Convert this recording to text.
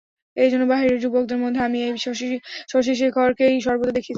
এইজন্য বাহিরের যুবকদের মধ্যে আমি এই শশিশেখরকেই সর্বদা দেখিতাম।